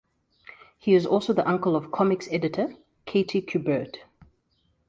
He is also the uncle of comics editor Katie Kubert.